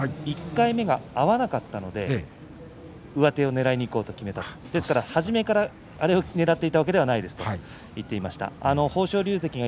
１回目が合わなかったので上手をねらいにいこうと決めて初めからあれをねらっていたわけではないということを言っていました。